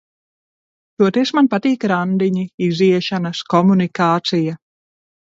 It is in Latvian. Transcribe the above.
Toties man patīk randiņi, iziešanas, komunikācija.